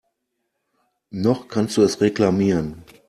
Noch kannst du es reklamieren.